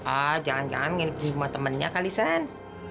ah jangan jangan nginep nginep sama temennya kali san